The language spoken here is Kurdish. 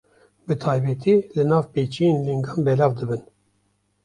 Bi taybetî li nav pêçiyên lingan belav dibin.